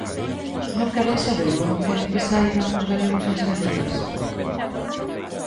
¿Non queren saber ou non queren que saiban os galegos e as galegas?